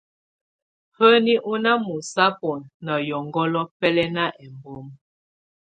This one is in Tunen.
Həní ɔná mɔsábɔ na yɔngɔlɔ bɛ́lɛ́na ɛ́mbɔm.